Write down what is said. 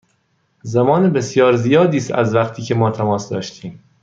زمان بسیار زیادی است از وقتی که ما تماس داشتیم.